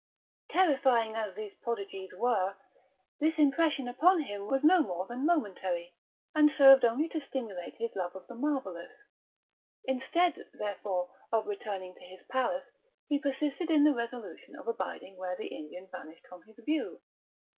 Terrifying as these prodigies were, this impression upon him was no more than momentary, and served only to stimulate his love of the marvellous. Instead, therefore, of returning to his palace, he persisted in the resolution of abiding where the Indian vanished from his view.